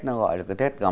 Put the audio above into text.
nó gọi là cái tết gầm